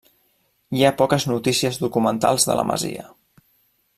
Hi ha poques notícies documentals de la masia.